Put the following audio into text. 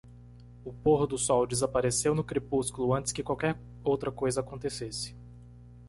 O pôr do sol desapareceu no crepúsculo antes que qualquer outra coisa acontecesse.